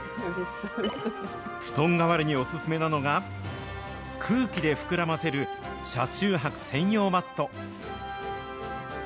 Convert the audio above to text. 布団代わりにお勧めなのが、空気で膨らませる車中泊専用マット。